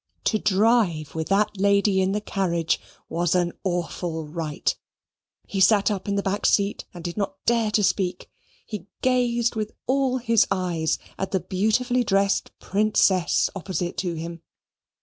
To drive with that lady in the carriage was an awful rite: he sat up in the back seat and did not dare to speak: he gazed with all his eyes at the beautifully dressed Princess opposite to him.